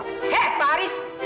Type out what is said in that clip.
hei pak aris